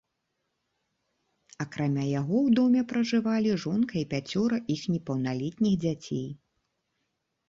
Акрамя яго ў доме пражывалі жонка і пяцёра іх непаўналетніх дзяцей.